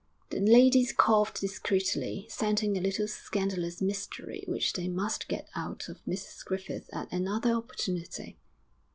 The ladies coughed discreetly, scenting a little scandalous mystery which they must get out of Mrs Griffith at another opportunity.